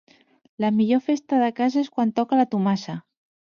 La millor festa de casa és quan toca la Tomasa.